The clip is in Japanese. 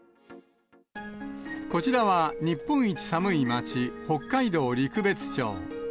こちらは日本一寒い町、北海道陸別町。